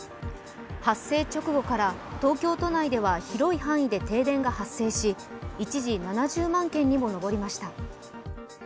発生直後から東京都内では広い範囲で停電が発生し一時７０万軒にも上りました。